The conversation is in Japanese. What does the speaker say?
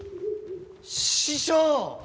師匠！